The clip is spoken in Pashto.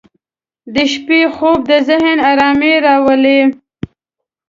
• د شپې خوب د ذهن آرامي راولي.